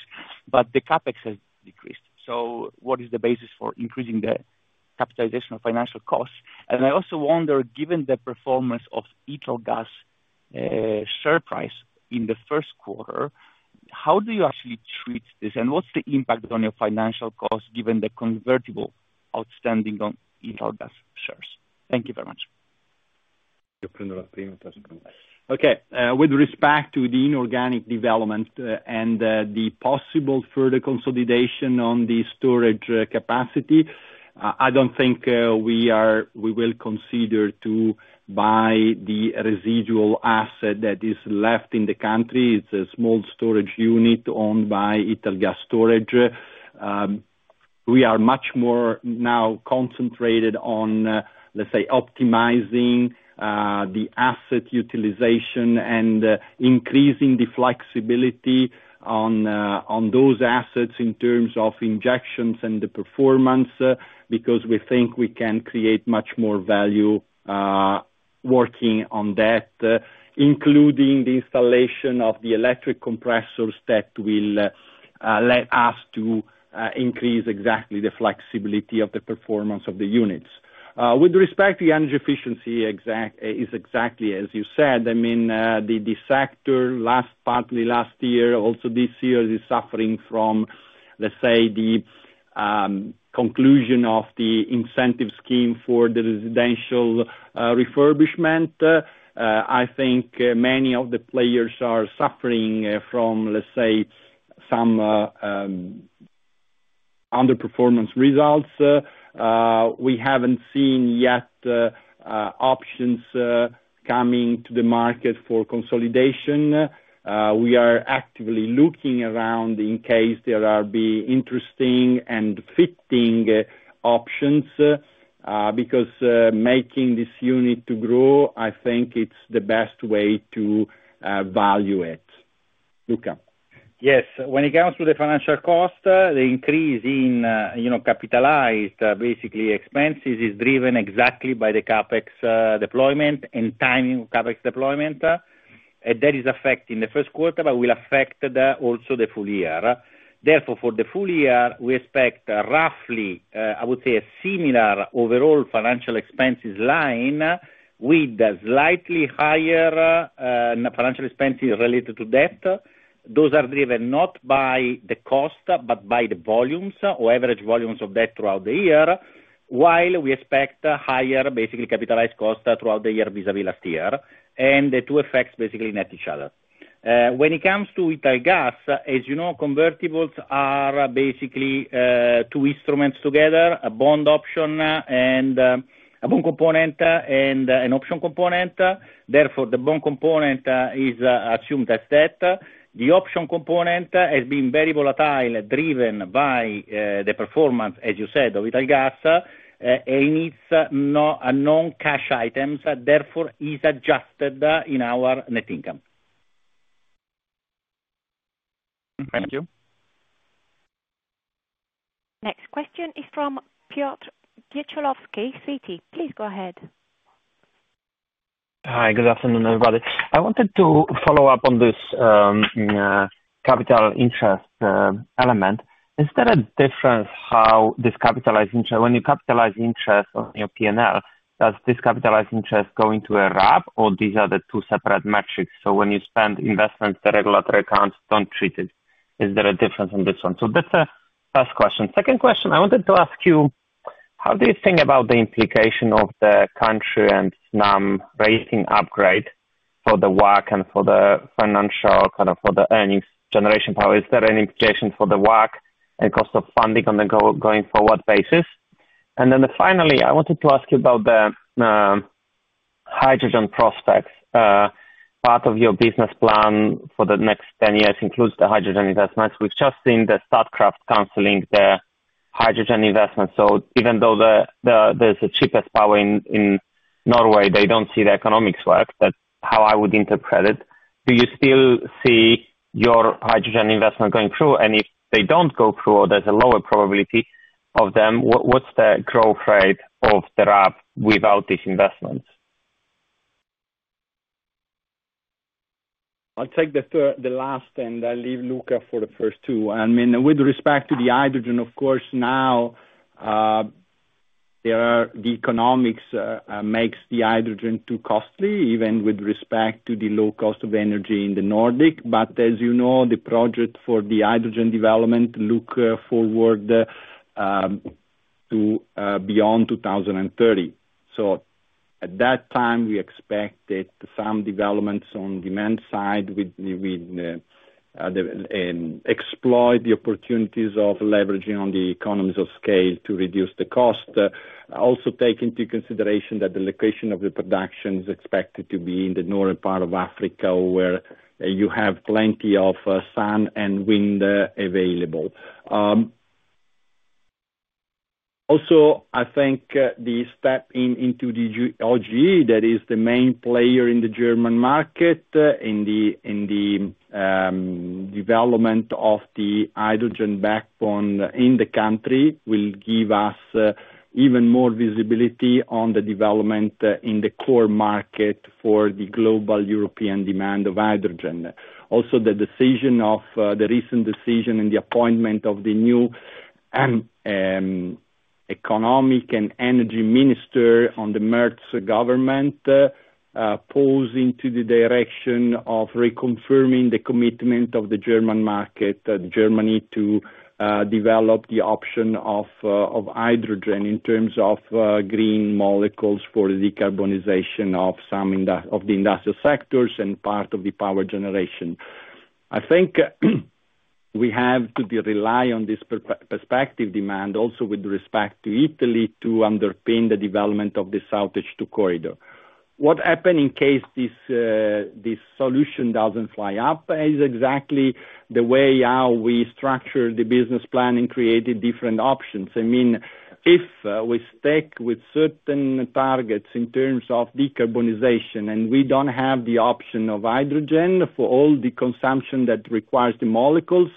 I: but the CapEx has decreased. What is the basis for increasing the capitalization of financial costs? I also wonder, given the performance of Italgas share price in the first quarter, how do you actually treat this, and what's the impact on your financial costs given the convertible outstanding on Italgas shares? Thank you very much. You've been very patient.
C: Okay. With respect to the inorganic development and the possible further consolidation on the storage capacity, I don't think we will consider to buy the residual asset that is left in the country. It's a small storage unit owned by Ital Gas Storage. We are much more now concentrated on, let's say, optimizing the asset utilization and increasing the flexibility on those assets in terms of injections and the performance because we think we can create much more value working on that, including the installation of the electric compressors that will let us increase exactly the flexibility of the performance of the units. With respect to energy efficiency, it's exactly as you said. I mean, the sector, partly last year, also this year, is suffering from, let's say, the conclusion of the incentive scheme for the residential refurbishment. I think many of the players are suffering from, let's say, some underperformance results. We haven't seen yet options coming to the market for consolidation. We are actively looking around in case there are interesting and fitting options because making this unit to grow, I think it's the best way to value it. Luca.
D: Yes. When it comes to the financial cost, the increase in capitalized, basically, expenses is driven exactly by the CapEx deployment and timing of CapEx deployment. That is affecting the first quarter, but will affect also the full year. Therefore, for the full year, we expect roughly, I would say, a similar overall financial expenses line with slightly higher financial expenses related to debt. Those are driven not by the cost, but by the volumes or average volumes of debt throughout the year, while we expect higher basically capitalized cost throughout the year vis-à-vis last year. And the two effects basically net each other. When it comes to Italgas, as you know, convertibles are basically two instruments together, a bond option and a bond component and an option component. Therefore, the bond component is assumed as debt. The option component has been very volatile, driven by the performance, as you said, of Italgas, and it's non-cash items. Therefore, it's adjusted in our net income.
I: Thank you.
A: Next question is from Piotr Dzieciolowski, Citi. Please go ahead.
J: Hi. Good afternoon, everybody. I wanted to follow up on this capitalized interest element. Is there a difference how this capitalized interest when you capitalize interest on your P&L, does this capitalized interest go into a RAB, or these are the two separate metrics? So when you spend investments, the regulatory accounts don't treat it. Is there a difference on this one? So that's the first question. Second question, I wanted to ask you, how do you think about the implication of the country and Snam rating upgrade for the WACC and for the financial kind of for the earnings generation power? Is there any implication for the WACC and cost of funding on the going forward basis? And then finally, I wanted to ask you about the hydrogen prospects. Part of your business plan for the next 10 years includes the hydrogen investments. We've just seen the Statkraft cancelling the hydrogen investments. So even though there's a cheapest power in Norway, they don't see the economics work. That's how I would interpret it. Do you still see your hydrogen investment going through? And if they don't go through, or there's a lower probability of them, what's the growth rate of the RAB without these investments?
C: I'll take the last, and I'll leave Luca for the first two. I mean, with respect to the hydrogen, of course, now the economics makes the hydrogen too costly, even with respect to the low cost of energy in the Nordic. But as you know, the project for the hydrogen development looks forward to beyond 2030. So at that time, we expect some developments on the demand side with exploiting the opportunities of leveraging on the economies of scale to reduce the cost. Also take into consideration that the location of the production is expected to be in the northern part of Africa, where you have plenty of sun and wind available. Also, I think the step into the OGE that is the main player in the German market in the development of the hydrogen backbone in the country will give us even more visibility on the development in the core market for the global European demand of hydrogen. Also, the decision of the recent decision and the appointment of the new economic and energy minister on the Merz government pulls into the direction of reconfirming the commitment of the German market, Germany, to develop the option of hydrogen in terms of green molecules for the decarbonization of the industrial sectors and part of the power generation. I think we have to rely on this perspective demand also with respect to Italy to underpin the development of the SoutH2 Corridor. What happened in case this solution doesn't fly up is exactly the way how we structure the business plan and create different options. I mean, if we stick with certain targets in terms of decarbonization and we don't have the option of hydrogen for all the consumption that requires the molecules,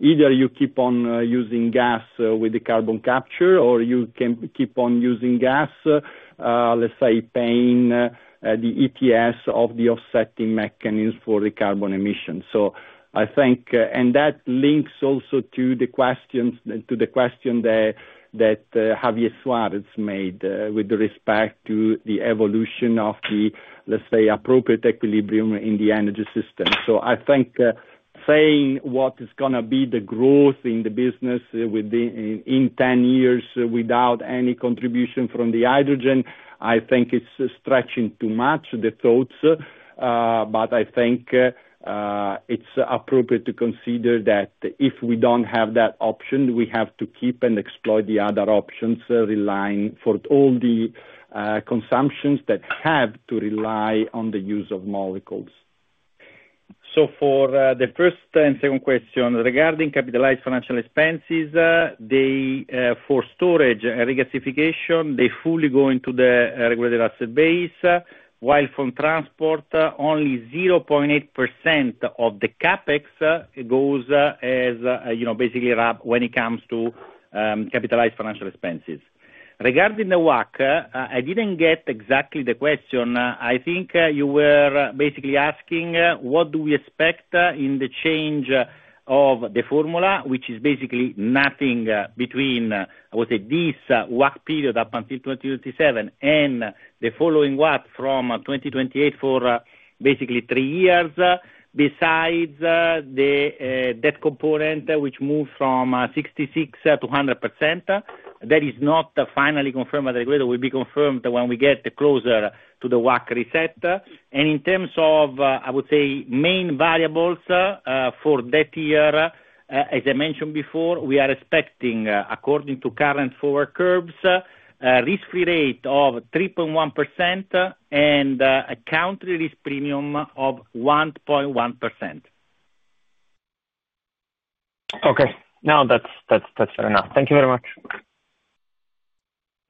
C: either you keep on using gas with the carbon capture or you can keep on using gas, let's say, paying the ETS of the offsetting mechanism for the carbon emissions. So I think, and that links also to the question that Javier Suárez made with respect to the evolution of the, let's say, appropriate equilibrium in the energy system. So, I think saying what is going to be the growth in the business in 10 years without any contribution from the hydrogen. I think it's stretching too much the thoughts. But I think it's appropriate to consider that if we don't have that option, we have to keep and exploit the other options for all the consumptions that have to rely on the use of molecules.
D: So for the first and second question, regarding capitalized financial expenses, for storage and regasification, they fully go into the regulated asset base, while from transport, only 0.8% of the CapEx goes as basically RAB when it comes to capitalized financial expenses. Regarding the WACC, I didn't get exactly the question. I think you were basically asking what do we expect in the change of the formula, which is basically nothing between, I would say, this WACC period up until 2027 and the following WACC from 2028 for basically three years. Besides the debt component, which moves from 66% to 100%, that is not finally confirmed by the regulator, will be confirmed when we get closer to the WACC reset, and in terms of, I would say, main variables for that year, as I mentioned before, we are expecting, according to current forward curves, a risk-free rate of 3.1% and a country risk premium of 1.1%.
J: Okay. No, that's fair enough. Thank you very much.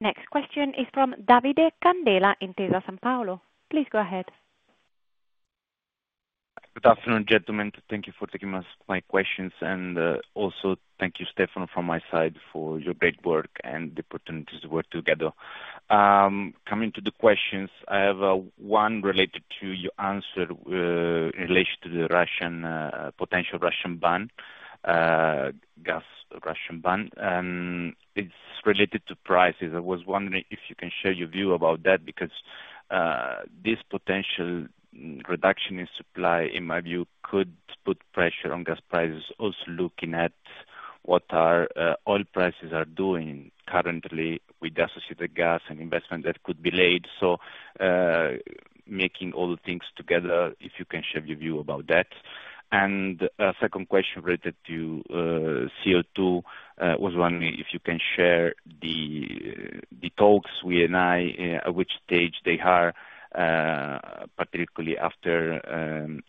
A: Next question is from Davide Candela, Intesa Sanpaolo. Please go ahead.
K: Good afternoon, gentlemen. Thank you for taking my questions. And also thank you, Stefano, from my side for your great work and the opportunities we have together. Coming to the questions, I have one related to your answer in relation to the potential Russian gas ban. It's related to prices. I was wondering if you can share your view about that because this potential reduction in supply, in my view, could put pressure on gas prices, also looking at what oil prices are doing currently with the associated gas and investment that could be delayed. So taking all the things together, if you can share your view about that. And second question related to CO2, I was wondering if you can share the talks with Eni, at which stage they are, particularly after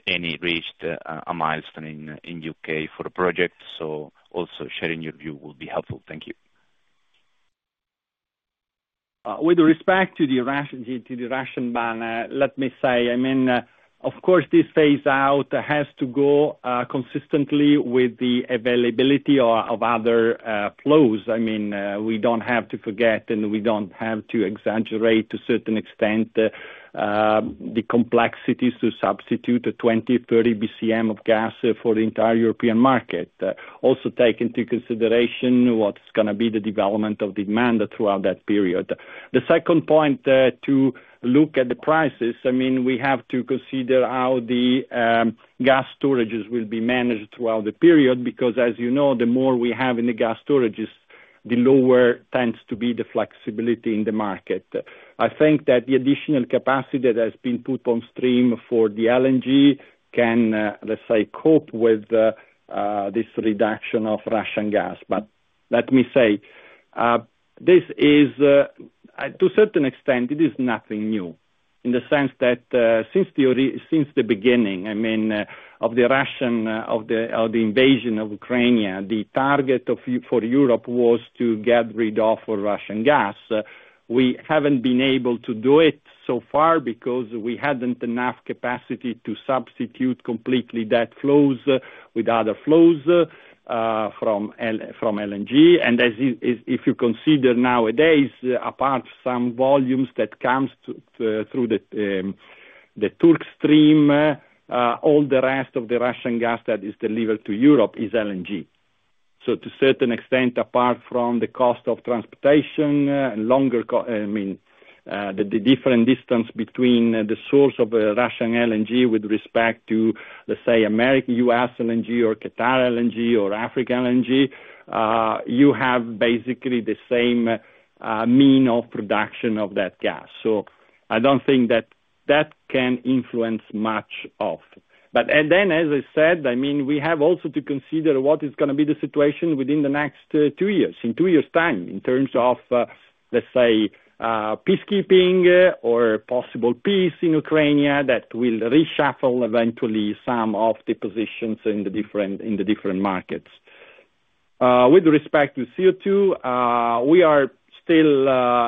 K: Eni reached a milestone in the U.K. for a project. So also sharing your view will be helpful. Thank you.
C: With respect to the Russian ban, let me say, I mean, of course, this phase-out has to go consistently with the availability of other flows. I mean, we don't have to forget, and we don't have to exaggerate to a certain extent the complexities to substitute 20, 30 bcm of gas for the entire European market, also taking into consideration what's going to be the development of demand throughout that period. The second point to look at the prices, I mean, we have to consider how the gas storages will be managed throughout the period because, as you know, the more we have in the gas storages, the lower tends to be the flexibility in the market. I think that the additional capacity that has been put on stream for the LNG can, let's say, cope with this reduction of Russian gas. But let me say, to a certain extent, it is nothing new in the sense that since the beginning, I mean, of the Russian invasion of Ukraine, the target for Europe was to get rid of Russian gas. We haven't been able to do it so far because we hadn't enough capacity to substitute completely that flows with other flows from LNG. And if you consider nowadays, apart from some volumes that come through the TurkStream, all the rest of the Russian gas that is delivered to Europe is LNG. So to a certain extent, apart from the cost of transportation and longer, I mean, the different distance between the source of Russian LNG with respect to, let's say, America U.S. LNG or Qatar LNG or African LNG, you have basically the same mean of production of that gas. So I don't think that that can influence much of. But then, as I said, I mean, we have also to consider what is going to be the situation within the next two years, in two years' time, in terms of, let's say, peacekeeping or possible peace in Ukraine that will reshuffle eventually some of the positions in the different markets. With respect to CO2, we are still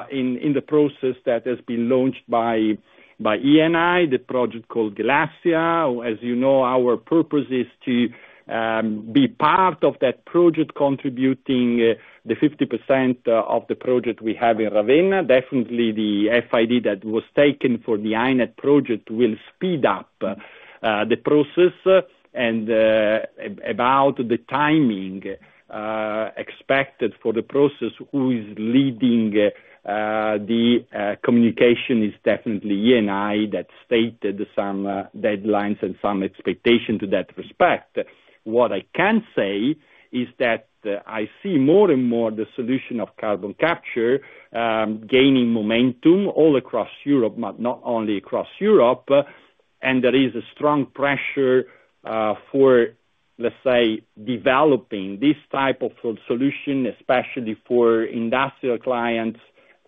C: in the process that has been launched by Eni, the project called Glacier. As you know, our purpose is to be part of that project, contributing the 50% of the project we have in Ravenna. Definitely, the FID that was taken for the HyNet project will speed up the process. And about the timing expected for the process, who is leading the communication is definitely ENI that stated some deadlines and some expectations to that respect. What I can say is that I see more and more the solution of carbon capture gaining momentum all across Europe, but not only across Europe. And there is a strong pressure for, let's say, developing this type of solution, especially for industrial clients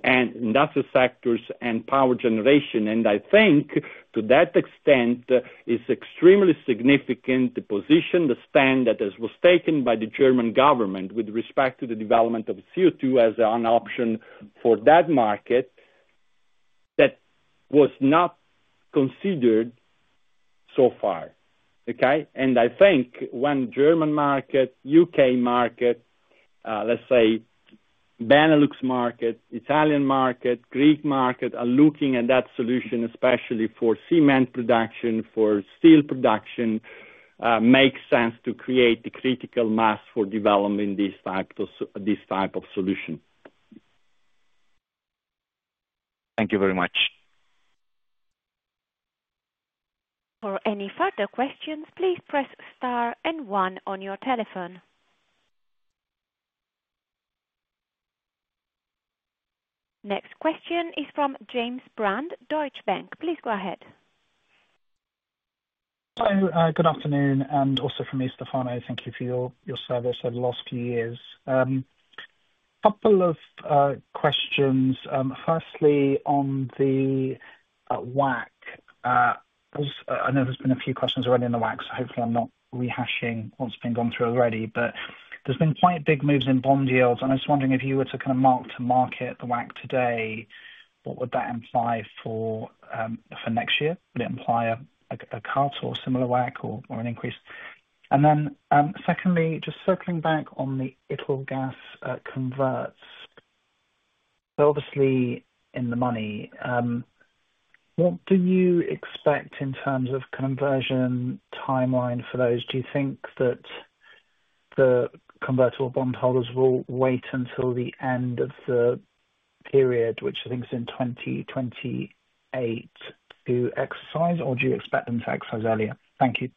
C: and industrial sectors and power generation. And I think to that extent, it's extremely significant the position, the stand that was taken by the German government with respect to the development of CO2 as an option for that market that was not considered so far. Okay? And I think when the German market, U.K. market, let's say, Benelux market, Italian market, Greek market are looking at that solution, especially for cement production, for steel production, it makes sense to create the critical mass for developing this type of solution.
K: Thank you very much.
A: For any further questions, please press star and one on your telephone. Next question is from James Brand, Deutsche Bank. Please go ahead.
L: Good afternoon, and also from me, Stefano. Thank you for your service over the last few years. A couple of questions. Firstly, on the WACC, I know there's been a few questions already in the WACC, so hopefully, I'm not rehashing what's been gone through already, but there's been quite big moves in bond yields, and I was wondering if you were to kind of mark to market the WACC today, what would that imply for next year? Would it imply a cut or a similar WACC or an increase, and then secondly, just circling back on the Italgas converts, obviously. In the money. What do you expect in terms of conversion timeline for those? Do you think that the convertible bondholders will wait until the end of the period, which I think is in 2028, to exercise, or do you expect them to exercise earlier? Thank you.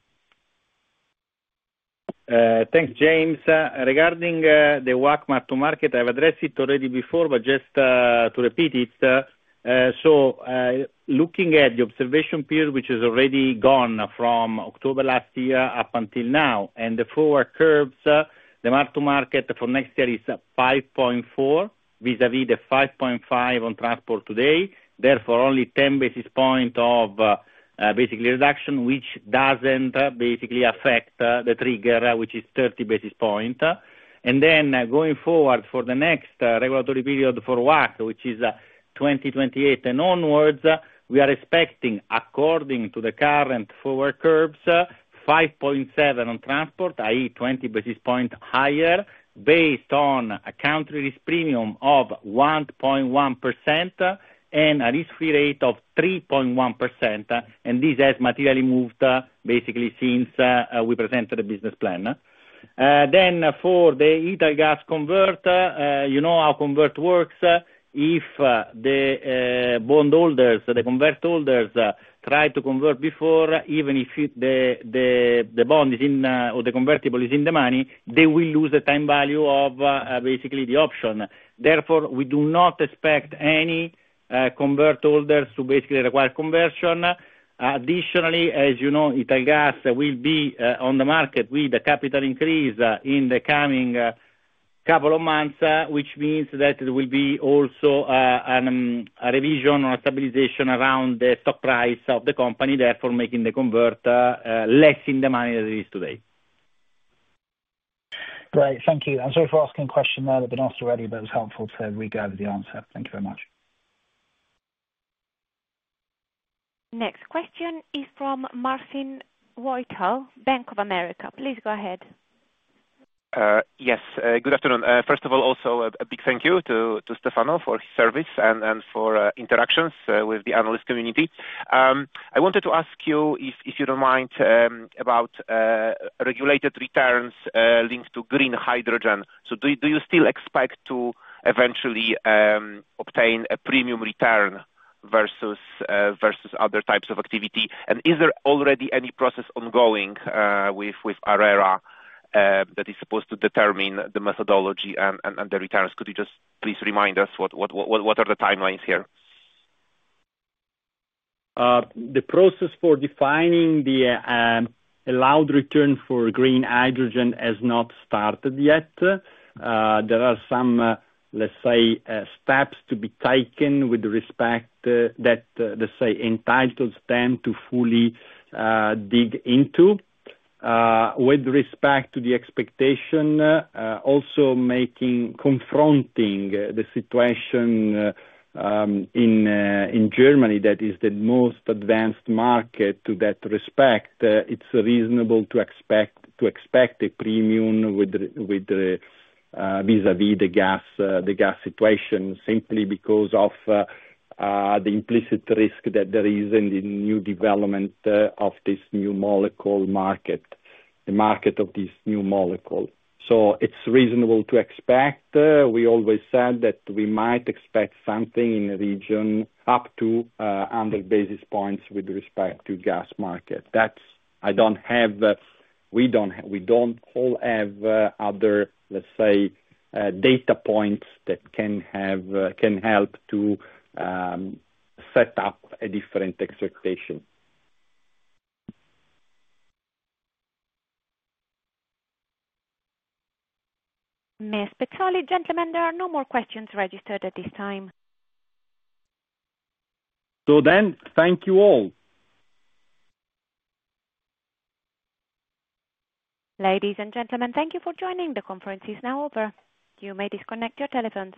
D: Thanks, James. Regarding the WACC mark-to-market, I've addressed it already before, but just to repeat it. So looking at the observation period, which is already gone from October last year up until now, and the forward curves, the mark-to-market for next year is 5.4 vis-à-vis the 5.5 on transport today. Therefore, only 10 basis points of basically reduction, which doesn't basically affect the trigger, which is 30 basis points, and then going forward for the next regulatory period for WACC, which is 2028 and onwards, we are expecting, according to the current forward curves, 5.7 on transport, i.e., 20 basis points higher based on a country risk premium of 1.1% and a risk-free rate of 3.1%. This has materially moved basically since we presented the business plan. Then for the Italgas convert, you know how convert works. If the bondholders, the convert holders, try to convert before, even if the bond is in or the convertible is in the money, they will lose the time value of basically the option. Therefore, we do not expect any convert holders to basically require conversion. Additionally, as you know, Italgas will be on the market with a capital increase in the coming couple of months, which means that there will be also a revision or a stabilization around the stock price of the company, therefore making the convert less in the money than it is today.
L: Great. Thank you. I'm sorry for asking a question there that I've been asked already, but it was helpful to go over the answer. Thank you very much.
A: Next question is from Marcin Wojtal, Bank of America. Please go ahead.
M: Yes. Good afternoon. First of all, also a big thank you to Stefano for his service and for interactions with the analyst community. I wanted to ask you, if you don't mind, about regulated returns linked to green hydrogen. So do you still expect to eventually obtain a premium return versus other types of activity? And is there already any process ongoing with ARERA that is supposed to determine the methodology and the returns? Could you just please remind us what are the timelines here?
C: The process for defining the allowed return for green hydrogen has not started yet. There are some, let's say, steps to be taken with respect to that, let's say, entitles them to fully dig into. With respect to the expectation, also confronting the situation in Germany, that is the most advanced market to that respect, it's reasonable to expect a premium vis-à-vis the gas situation simply because of the implicit risk that there is in the new development of this new molecule market, the market of this new molecule. So it's reasonable to expect. We always said that we might expect something in the region up to 100 basis points with respect to gas market. We don't all have other, let's say, data points that can help to set up a different expectation.
A: Ms. Pezzoli, gentlemen, there are no more questions registered at this time.
C: So then, thank you all.
A: Ladies and gentlemen, thank you for joining. The conference is now over. You may disconnect your telephones.